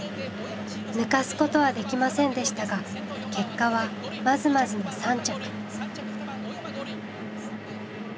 抜かすことはできませんでしたが結果はまずまずの３着。